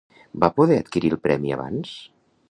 Va poder adquirir el premi abans?